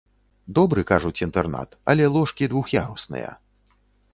Добры, кажуць, інтэрнат, але ложкі двух'ярусныя.